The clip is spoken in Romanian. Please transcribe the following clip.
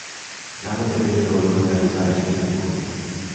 Ne-am îndeplinit rolul în realizarea acestui lucru.